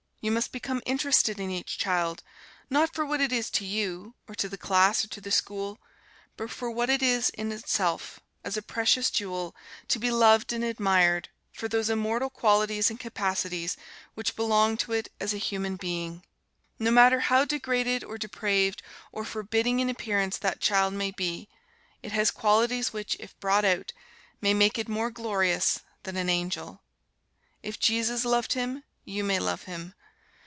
You must become interested in each child, not for what it is to you, or to the class, or to the school, but for what it is in itself, as a precious jewel, to be loved and admired, for those immortal qualities and capacities which belong to it as a human being. No matter how degraded or depraved or forbidding in appearance that child may be, it has qualities which, if brought out, may make it more glorious than an angel. If Jesus loved him, you may love him.